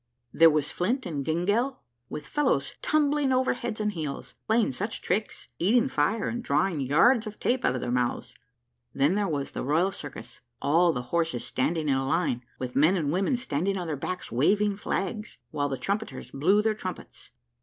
There was Flint and Gyngell, with fellows tumbling over head and heels, playing such tricks eating fire, and drawing yards of tape out of their mouths. Then there was the Royal Circus, all the horses standing in a line, with men and women standing on their backs, waving flags, while the trumpeters blew their trumpets.